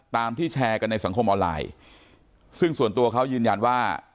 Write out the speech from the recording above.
ที่แชร์กันในสังคมออนไลน์ซึ่งส่วนตัวเขายืนยันว่า